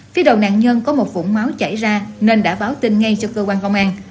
phía đầu nạn nhân có một vũng máu chảy ra nên đã báo tin ngay cho cơ quan công an